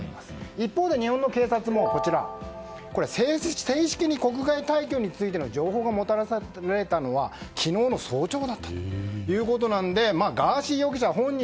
一方で日本の警察も正式に国外退去についての情報がもたらされたのは昨日の早朝だったということでガーシー容疑者本人